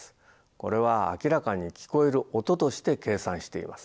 これは明らかに聞こえる音として計算しています。